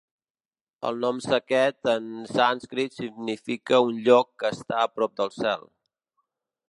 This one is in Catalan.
El nom Saket en sànscrit significa un lloc que està a prop del cel.